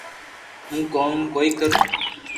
ھون ڪوم ڪوئي ڪرو